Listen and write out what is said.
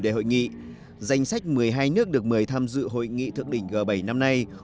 để hội nghị danh sách một mươi hai nước được mời tham dự hội nghị thượng đỉnh g bảy năm nay